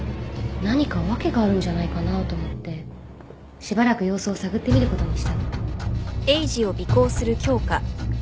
何か訳があるんじゃないかなと思ってしばらく様子を探ってみることにしたの。